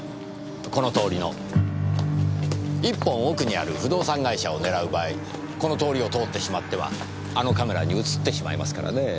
この通りの一本奥にある不動産会社を狙う場合この通りを通ってしまってはあのカメラに写ってしまいますからねえ。